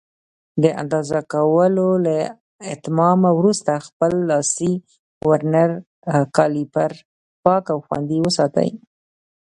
د اندازه کولو له اتمامه وروسته خپل لاسي ورنیر کالیپر پاک او خوندي وساتئ.